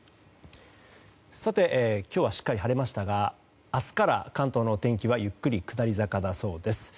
今日はしっかり晴れましたが明日から関東のお天気はゆっくり下り坂だそうです。